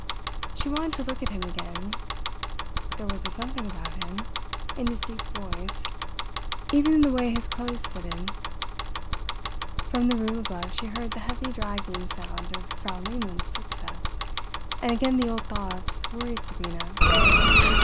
She wanted to look at him again—there was a something about him, in his deep voice, even in the way his clothes fitted. From the room above she heard the heavy dragging sound of Frau Lehmann's footsteps, and again the old thoughts worried Sabina.